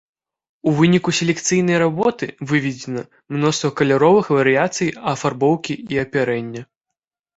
У выніку селекцыйнай работы выведзена мноства каляровых варыяцый афарбоўкі і апярэння.